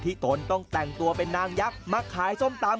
ตนต้องแต่งตัวเป็นนางยักษ์มาขายส้มตำ